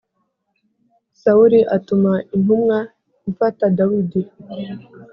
Sawuli atuma intumwa gufata Dawidi.